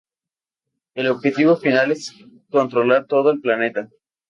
El objetivo final es controlar todo el planeta.